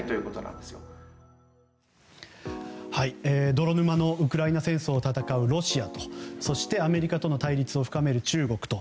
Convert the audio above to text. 泥沼のウクライナ戦争を戦うロシアとそして、アメリカとの対立を深める中国と。